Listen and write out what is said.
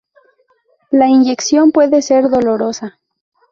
La inyección puede ser dolorosa.